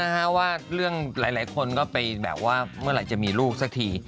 ติ๊นแล้วมันอ้อนได้แบบเดี๋ยวดี